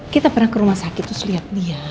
kita pernah ke rumah sakit terus lihat dia